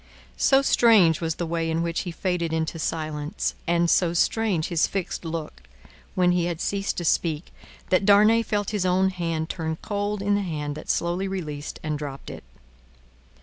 So strange was the way in which he faded into silence, and so strange his fixed look when he had ceased to speak, that Darnay felt his own hand turn cold in the hand that slowly released and dropped it.